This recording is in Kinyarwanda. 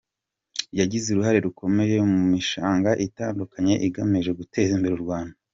Yagize uruhare rukomeye mu mishanga itandukanye igamije guteza imbere u Rwanda.